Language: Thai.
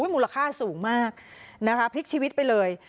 มูลค่าสูงมากนะคะพลิกชีวิตไปเลย